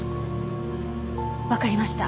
わかりました。